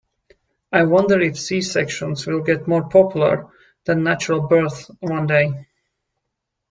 I wonder if C-sections will get more popular than natural births one day.